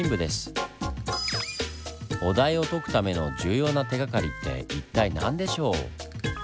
お題を解くための重要な手がかりって一体何でしょう？